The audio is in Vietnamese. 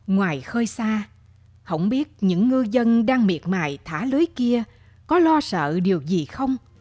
ngoài khơi xa hổng biết những ngư dân đang miệt mài thả lưới kia có lo sợ điều gì không